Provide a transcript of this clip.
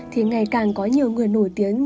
thì ngày càng có nhiều người nổi tiếng